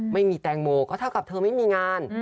ไม่มีแตงโมก็เท่ากับเธอไม่มีงาน